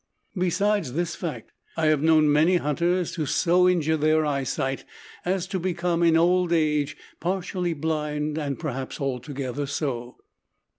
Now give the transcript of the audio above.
Besides this fact I have known many hunters to so injure their eyesight as to become, in old age, partially blind and perhaps altogether so.